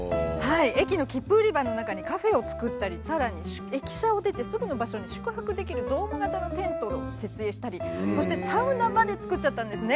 駅の切符売り場の中にカフェを作ったりさらに駅舎を出てすぐの場所に宿泊できるドーム型のテントを設営したりそしてサウナまで作っちゃったんですね。